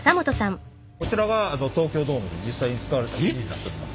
コチラが東京ドームに実際に使われた生地になっております。